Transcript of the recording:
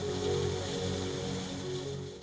sawah ini tetap menghijau